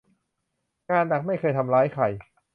งานหนักไม่เคยทำร้ายใคร